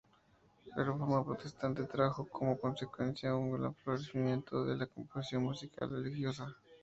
La reforma protestante trajo como consecuencia un gran florecimiento de la composición musical religiosa.